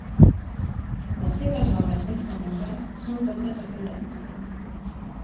Les seves obres més famoses són totes a Florència.